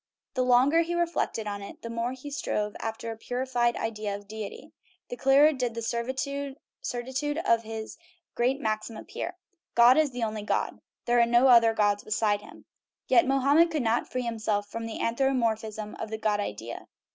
The longer he re flected on it, and the more he strove after a purified idea of deity, the clearer did the certitude of his great maxim appear : "God is the only God " there are no other gods beside him. Yet Mohammed could not free himself from the an thropomorphism of the God idea.